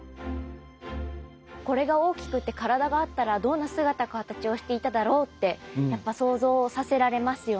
これが大きくて体があったらどんな姿形をしていただろうってやっぱ想像させられますよね。